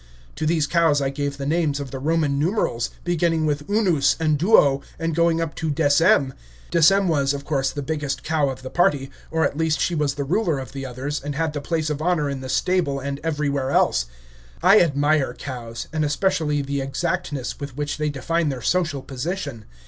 To these cows I gave the names of the Roman numerals, beginning with Unus and Duo, and going up to Decem. Decem was, of course, the biggest cow of the party, or at least she was the ruler of the others, and had the place of honor in the stable and everywhere else. I admire cows, and especially the exactness with which they define their social position.